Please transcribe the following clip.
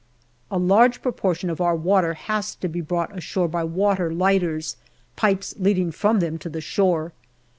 A large proportion of our water has to be brought ashore by water lighters, pipes leading from them to the shore.